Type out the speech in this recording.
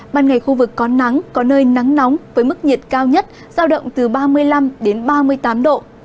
ban ngày khu vực có nắng có nơi nắng nóng với mức nhiệt cao nhất giao động từ ba mươi năm đến ba mươi tám độ